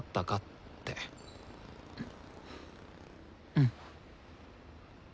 うん。